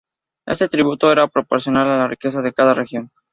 Este tributo era proporcional a la riqueza de cada región.